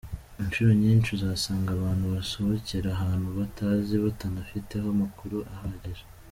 Inshuro nyinshi uzasanga abantu basohokera ahantu batazi, batanafiteho amakuru ahagije.